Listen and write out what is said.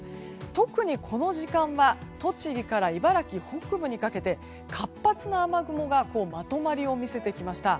特に、この時間は栃木から茨城北部にかけて活発な雨雲がまとまりを見せてきました。